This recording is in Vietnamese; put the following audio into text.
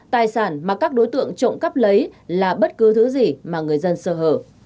tài sản mà các đối tượng trộm cắp lấy là bất cứ thứ gì mà người dân sơ hở